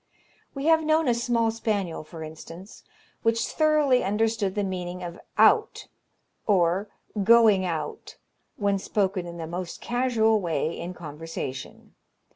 We have known a small spaniel, for instance, which thoroughly understood the meaning of "out," or "going out," when spoken in the most casual way in conversation.